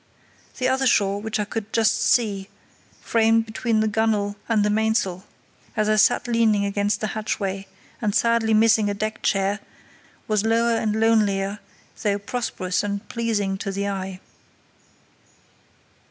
The other shore, which I could just see, framed between the gunwale and the mainsail, as I sat leaning against the hatchway, and sadly missing a deck chair, was lower and lonelier, though prosperous and pleasing to the eye.